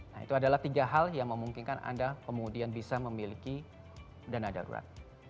nah itu adalah tiga hal yang memungkinkan anda kemudian bisa memiliki dana darurat